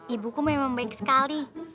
ibuku memang baik sekali